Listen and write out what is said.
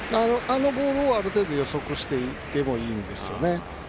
あのボールをある程度、予測していてもいいんですよね。